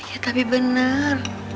ya tapi bener